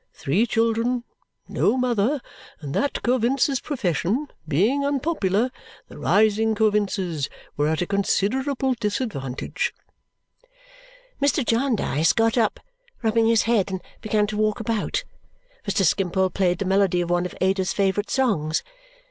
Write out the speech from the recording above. Three children. No mother. And that Coavinses' profession. Being unpopular. The rising Coavinses. Were at a considerable disadvantage." Mr. Jarndyce got up, rubbing his head, and began to walk about. Mr. Skimpole played the melody of one of Ada's favourite songs.